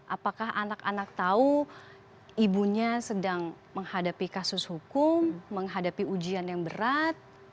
apakah anak anak tahu ibunya sedang menghadapi kasus hukum menghadapi ujian yang berat